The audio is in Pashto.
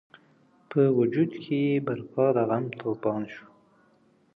په وجود کې یې برپا د غم توپان شو.